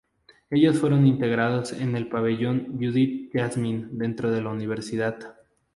Ellos fueron integrados en el Pabellón Judith-Jasmin dentro de la universidad.